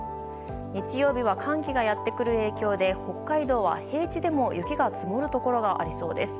日曜日は寒気がやってくる影響で北海道は平地でも雪が積もるところがありそうです。